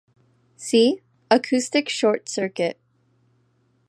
See: acoustic short circuit.